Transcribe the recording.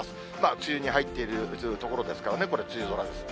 梅雨に入っている所ですから、これ、梅雨空です。